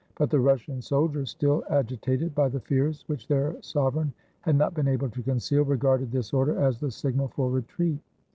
But the Russian soldiers, still agitated by the fears which their sovereign had not been able to conceal, regarded this order as the signal for retreat.